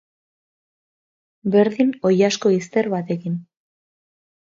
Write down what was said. Berdin oilasko izter batekin.